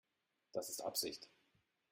Das ist Absicht.